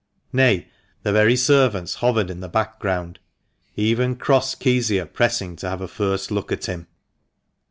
Nay, the very servants hovered in the background, even cross Kezia pressing to have a first look at him.